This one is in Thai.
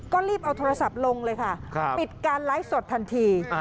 ก็รีบเอาโทรศัพท์ลงเลยค่ะปิดการไลฟ์สดทันที